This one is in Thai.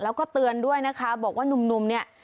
แล้วก็เตือนด้วยนะคะบอกว่าหนุ่มเนี่ย